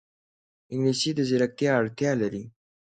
انګلیسي د ځیرکتیا اړتیا لري